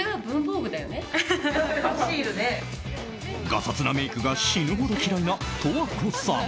ガサツなメイクが死ぬほど嫌いな十和子さん。